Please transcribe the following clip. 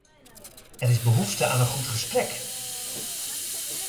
Er is behoefte aan een goed gesprek!